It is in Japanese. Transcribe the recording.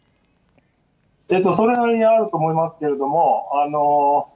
それなりにあると思いますけれども。